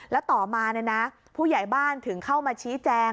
แล้วต่อมาผู้ใหญ่บ้านถึงเข้ามาชี้แจง